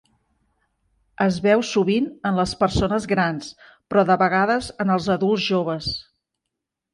Es veu sovint en les persones grans, però de vegades en els adults joves.